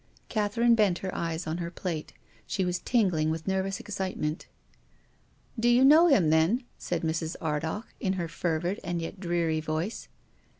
Catherine bent her eyes on her plate. She was tingling with nervous excitement. " Do you know him, then ?" said Mrs. Ardagh, in her fervid, and yet dreary, voice.